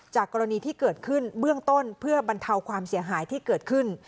กรณีที่เกิดขึ้นเบื้องต้นเพื่อบรรเทาความเสียหายที่เกิดขึ้น